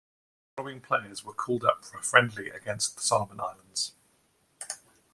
The following players where called up for a friendly against the Solomon Islands.